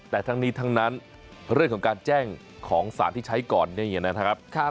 แต่ทั้งนี้ทั้งนั้นเรื่องของการแจ้งของสารที่ใช้ก่อนนี้นะครับ